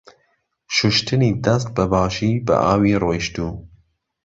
شوشتنی دەست بە باشی بە ئاوی ڕۆیشتوو.